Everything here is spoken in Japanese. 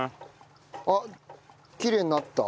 あっきれいになった。